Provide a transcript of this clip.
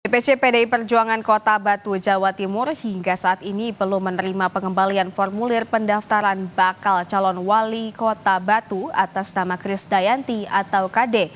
dpc pdi perjuangan kota batu jawa timur hingga saat ini belum menerima pengembalian formulir pendaftaran bakal calon wali kota batu atas nama kris dayanti atau kd